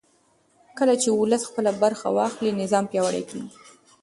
کله چې ولس خپله برخه واخلي نظام پیاوړی کېږي